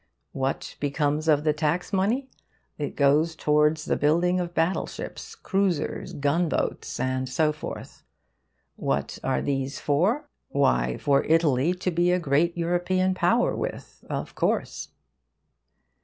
What becomes of the tax money? It goes towards the building of battleships, cruisers, gunboats and so forth. What are these for? Why, for Italy to be a Great European Power with, of course.